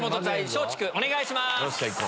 松竹お願いします。